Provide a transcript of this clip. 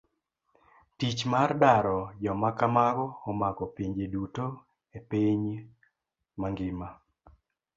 Tich mar daro joma kamago omako pinje duto e piny mang'ima.